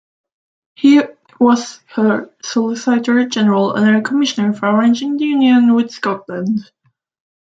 He was her solicitor-general and her commissioner for arranging the union with Scotland.